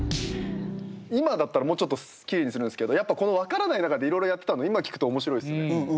今だったらもうちょっときれいにするんですけどやっぱこの分からない中でいろいろやってたのを今聴くと面白いですよね。